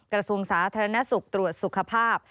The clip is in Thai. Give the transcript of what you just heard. กระทรวงสาธารณสุขตรวจสุขภาพ